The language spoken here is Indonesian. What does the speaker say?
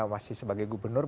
masih sebagai gubernur